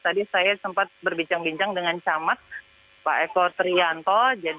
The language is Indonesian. tadi saya sempat berbincang bincang dengan camat pak eko trianto